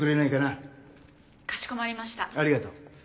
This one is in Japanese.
ありがとう。